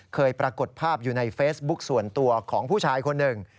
เคยปรากฏภาพอยู่ในเฟซบุ๊คส่วนตัวของผู้ชายคนหนึ่ง